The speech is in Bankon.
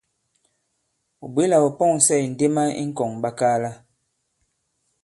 Ɔ̀ bwě la ɔ̃ pɔ̀ŋsɛ indema ì ŋ̀kɔ̀ŋɓakaala.